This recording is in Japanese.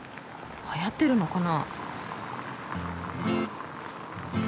はやってるのかな？